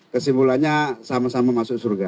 kesimpulannya sama sama masuk surga